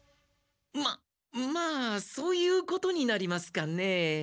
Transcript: まっまあそういうことになりますかねえ。